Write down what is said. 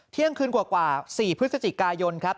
เที่ยงคืนกว่า๔พฤศจิกายนครับ